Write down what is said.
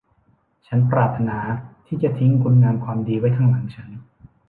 ฉันปรารถนาที่จะทิ้งคุณงามความดีไว้ข้างหลังฉัน